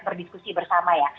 berdiskusi bersama ya